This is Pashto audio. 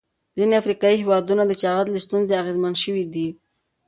ځینې افریقایي هېوادونه د چاغښت له ستونزې اغېزمن شوي دي.